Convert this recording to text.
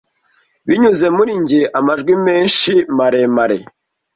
Binyuze muri njye amajwi menshi maremare,